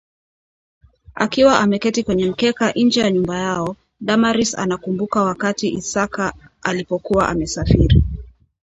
Akiwa ameketi kwenye mkeka nje ya nyumba yao, Damaris anakumbuka wakati Isaka alipokuwa amesafiri